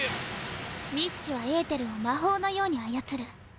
ウィッチはエーテルを魔法のように操る。